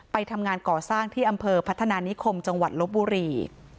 ไปทำงานก่อสร้างที่อำเภอพัฒนานิคมจังหวัดลบบุรี